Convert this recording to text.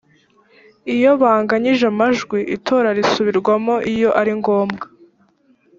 iyo banganyije amajwi itora risubirwamo iyo ari ngombwa